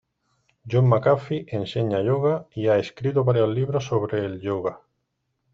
John McAfee enseña yoga y ha escrito varios libros sobre el yoga.